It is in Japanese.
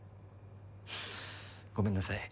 ごめんなさい